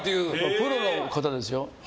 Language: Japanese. プロの方ですよ。